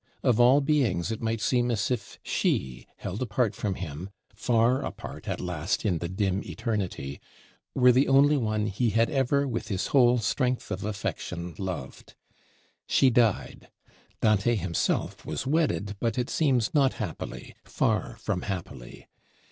Of all beings it might seem as if she, held apart from him, far apart at last in the dim Eternity, were the only one he had ever with his whole strength of affection loved. She died: Dante himself was wedded; but it seems not happily, far from happily.